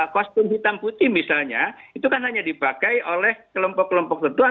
kostum hitam putih misalnya itu kan hanya dipakai oleh kelompok kelompok tertua